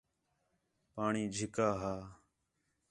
پاݨی جِھکّا ہا